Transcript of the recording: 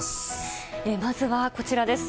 まずはこちらです。